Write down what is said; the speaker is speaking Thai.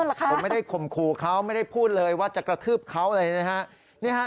ผมไม่ได้ข่มขู่เขาไม่ได้พูดเลยว่าจะกระทืบเขาเลยนะฮะ